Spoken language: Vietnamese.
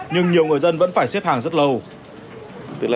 nhưng nhiều người dân vẫn phải xếp hàng rất lâu